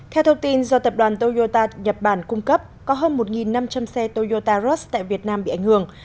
theo thông tin do tập đoàn toyota nhật bản cung cấp có hơn một năm trăm linh xe toyota ross tại việt nam bị ảnh hưởng